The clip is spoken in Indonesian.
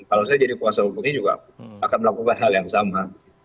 kalau saya jadi kuasa hukumnya juga akan melakukan hal yang sama